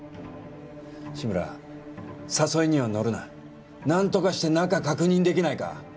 志村誘いには乗るな何とかして中確認できないか？